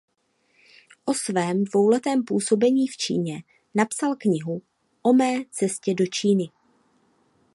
O svém dvouletém působení v Číně napsal knihu "O mé cestě do Číny".